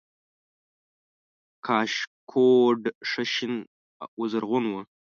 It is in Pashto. کاشکوټ ښه شین و زرغون و